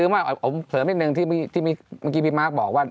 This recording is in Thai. ผมเสริมนิดหนึ่งที่มีที่มีบางทีพี่มาร์คบอกว่า